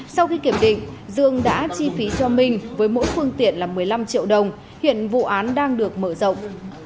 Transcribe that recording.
sau khi kiểm định dương đã chi phí cho minh với mỗi phương tiện là một mươi năm triệu đồng hiện vụ án đang được mở rộng